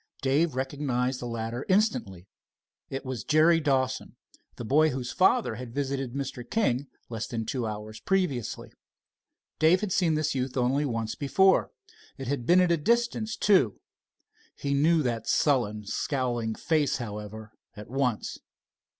Dave recognized the latter instantly. It was Jerry Dawson, the boy whose father had visited Mr. King less than two hours previously. Dave had seen this youth only once before. It had been at a distance, too. He knew that sullen, scowling face, however, at once.